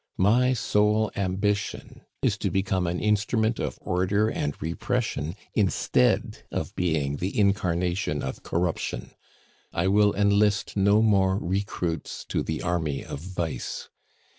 My sole ambition is to become an instrument of order and repression instead of being the incarnation of corruption. I will enlist no more recruits to the army of vice.